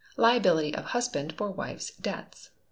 Liability of Husband for Wife's Debts.